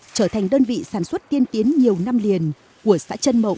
trở thành đơn vị sản xuất tiên tiến nhiều năm liền của xã trân mộng